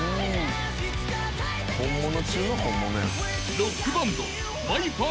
［ロックバンド］